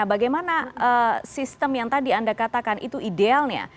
bagaimana sistem yang tadi anda katakan itu idealnya